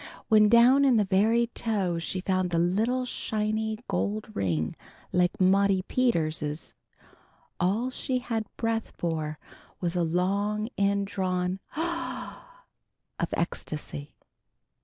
When down in the very toe she found the "little shiny gold ring like Maudie Peters's," all she had breath for was a long indrawn "Aw aw aw!" of ecstasy.